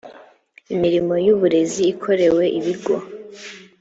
imirimo y uburezi ikorewe ibigo